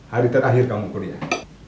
hari terakhir kamu kuliah